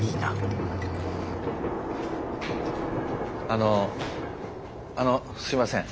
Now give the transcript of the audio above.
あのあのすいません。